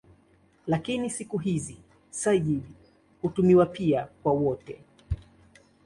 Lakini siku hizi "sayyid" hutumiwa pia kwa wote.